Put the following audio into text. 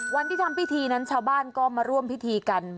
วันที่ทำพิธีนั้นชาวบ้านก็มาร่วมพิธีกัน